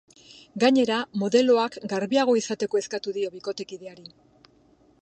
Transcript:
Gainera, modeloak garbiagoa izateko eskatu dio bikotekideari.